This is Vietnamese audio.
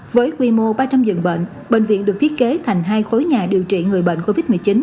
với quy mô ba trăm linh dường bệnh bệnh viện được thiết kế thành hai khối nhà điều trị người bệnh covid một mươi chín